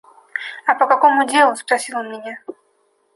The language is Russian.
«А по какому делу?» – спросил он меня.